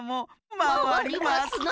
まわりますな。